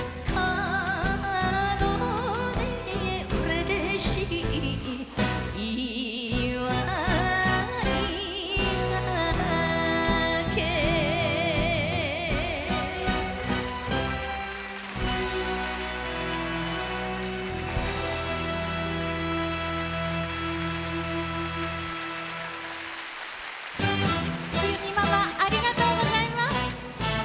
冬美ママありがとうございます。